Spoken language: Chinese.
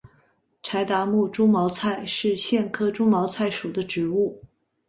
柴达木猪毛菜是苋科猪毛菜属的植物。